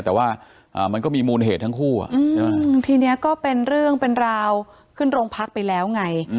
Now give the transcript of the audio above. แต่ว่ามันก็มีมูลเหตุทั้งคู่ทีนี้ก็เป็นเรื่องเป็นราวขึ้นโรงพักไปแล้วไง